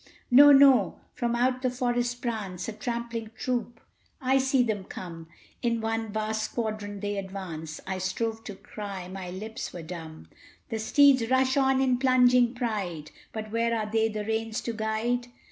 No, no! from out the forest prance A trampling troop; I see them come! In one vast squadron they advance! I strove to cry my lips were dumb. The steeds rush on in plunging pride; But where are they the reins to guide?